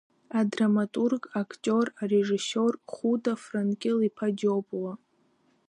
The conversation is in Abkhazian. Адраматург, актиор, арежиссиор Хәыта Франкьыл-иԥа Џьопуа…